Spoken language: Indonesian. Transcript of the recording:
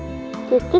tunggu tunggu ke sini